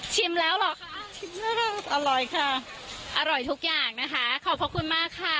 แล้วเหรอคะชิมแล้วค่ะอร่อยค่ะอร่อยทุกอย่างนะคะขอบพระคุณมากค่ะ